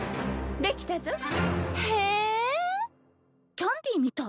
キャンディーみたい。